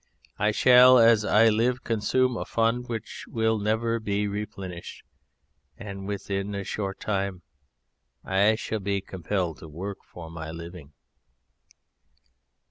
I shall as I live consume a fund which will never be replenished, and within a short time I shall be compelled to work for my living!"